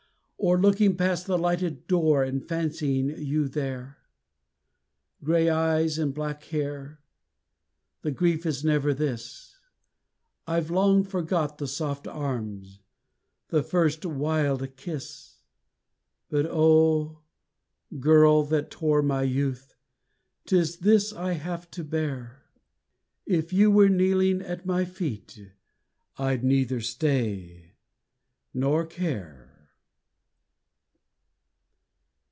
Or looking past the lighted door and fancying you there. Grey Eyes and Black Hair the grief is never this; I've long forgot the soft arms the first, wild kiss. But, Oh, girl that tore my youth, 'tis this I have to bear, _If you were kneeling at my feet I'd neither stay nor care.